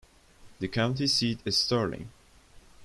The county seat is Sterling.